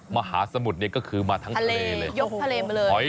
มหาสมุทรเนี่ยก็คือมาทั้งทะเลเลยยกทะเลมาเลย